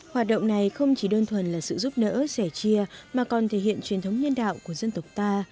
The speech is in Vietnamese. hoạt động này không chỉ đơn thuần là sự giúp đỡ sẻ chia mà còn thể hiện truyền thống nhân đạo của dân tộc ta